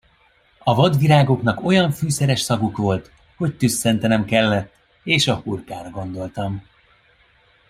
A vadvirágoknak olyan fűszeres szaguk volt, hogy tüsszentenem kellett, és a hurkára gondoltam.